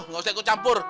enggak usah ikut campur